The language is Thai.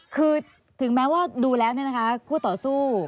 คือถึงแม้ว่าดูแล้วคู่ต่อสู้